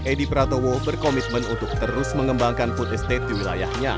edi prabowo berkomitmen untuk terus mengembangkan food estate di wilayahnya